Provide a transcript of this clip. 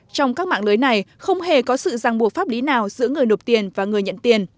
trong các mạng lưới này không hề có sự giang buộc pháp lý nào giữa người nộp tiền và người nhận tiền